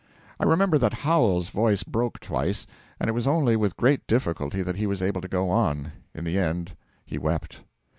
I remember that Howells's voice broke twice, and it was only with great difficulty that he was able to go on; in the end he wept.